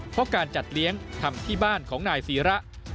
เพราะการจัดเลี้ยงทำที่บ้านของนายศีระ